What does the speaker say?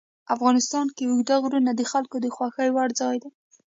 افغانستان کې اوږده غرونه د خلکو د خوښې وړ ځای دی.